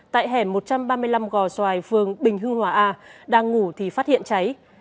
tại hẻm một trăm ba mươi năm gò xoài phường bình hưng hòa a đang ngủ thì phát hiện cháy